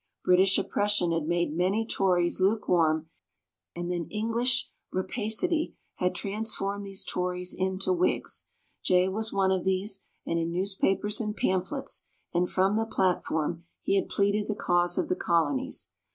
British oppression had made many Tories lukewarm, and then English rapacity had transformed these Tories into Whigs. Jay was one of these; and in newspapers and pamphlets, and from the platform, he had pleaded the cause of the Colonies.